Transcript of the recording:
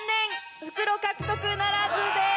袋獲得ならずです。